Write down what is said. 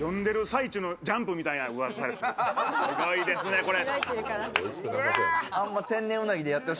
すごいですね、これ。